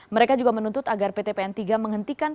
mereka juga menuntut agar ptpn tiga menghentikan